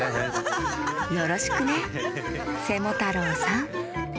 よろしくねセモタロウさん！